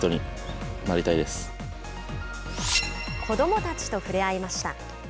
子どもたちとふれあいました。